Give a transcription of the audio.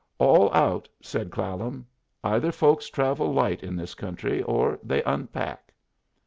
"All out!" said Clallam. "Either folks travel light in this country or they unpack."